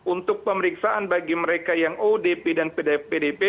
untuk pemeriksaan bagi mereka yang odp dan pdp